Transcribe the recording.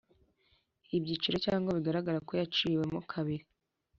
Ibyiciro Cyangwa Bigaragara Ko Yaciwemo Kabiri